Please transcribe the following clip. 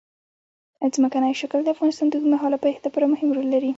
ځمکنی شکل د افغانستان د اوږدمهاله پایښت لپاره مهم رول لري.